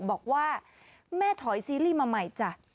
บอกว่าแม่ถอยซีรีส์มาใหม่จ้ะ